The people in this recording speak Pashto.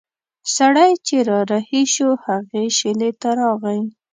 سړی چې را رهي شو هغې شېلې ته راغی.